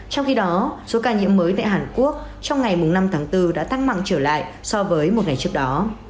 trong khi đó số ca nhiễm mới tại hàn quốc trong ngày năm tháng bốn đã tăng mạnh trở lại so với một ngày trước đó